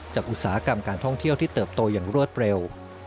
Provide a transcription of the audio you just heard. อุตสาหกรรมการท่องเที่ยวที่เติบโตอย่างรวดเร็ว